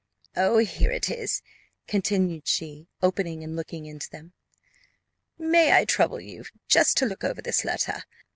"Oh, here it is," continued she, opening and looking into them. "May I trouble you just to look over this letter?